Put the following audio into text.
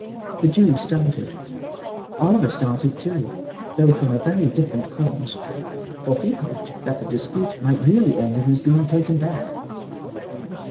The Jew started. Oliver started too, though from a very different cause; for he hoped that the dispute might really end in his being taken back.